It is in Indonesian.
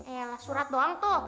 eh surat doang tuh